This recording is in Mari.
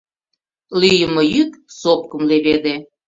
Лӱйымӧ йӱк сопкым леведе.